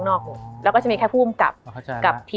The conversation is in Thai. มันทำให้ชีวิตผู้มันไปไม่รอด